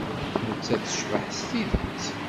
Nettat tecbeḥ s tidet.